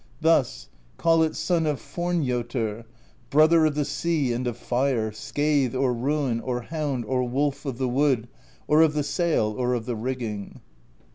Thus: call it Son of Fornjotr, Brother of the Sea and of Fire, Scathe or Ruin or Hound or Wolf of the Wood or of the Sail or of the Rigging.